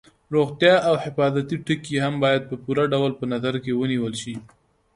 روغتیا او حفاظتي ټکي هم باید په پوره ډول په نظر کې ونیول شي.